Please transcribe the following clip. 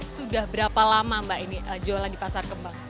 sudah berapa lama mbak ini jualan di pasar kembang